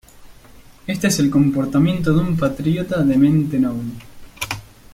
Este es el comportamiento de un patriota de mente noble.